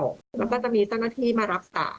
แล้วมันก็จะมีต้นนาธิมารักษา